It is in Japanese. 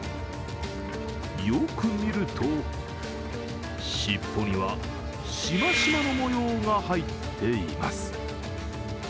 よく見ると、尻尾にはしましまの模様が入っています。